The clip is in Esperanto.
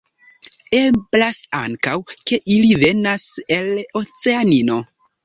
Eblas ankaŭ, ke ili venis el Oceanio.